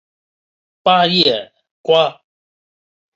八叶瓜